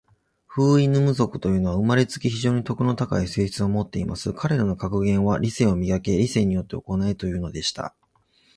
フウイヌム族というのは、生れつき、非常に徳の高い性質を持っています。彼等の格言は、『理性を磨け。理性によって行え。』というのでした。